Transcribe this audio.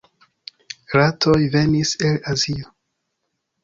Ratoj venis el Azio.